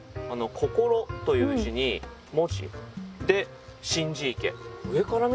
心という字に文字で心字池。